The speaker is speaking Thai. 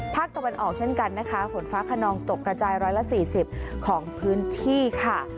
ภาคตะวันออกเช่นกันนะคะฝนฟ้าขนองตกกระจาย๑๔๐ของพื้นที่ค่ะ